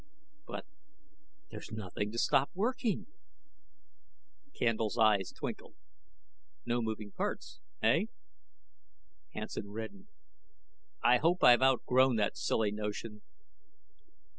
"But, but there's nothing to stop working " Candle's eyes twinkled. "No moving parts, eh?" Hansen reddened. "I hope I've outgrown that silly notion."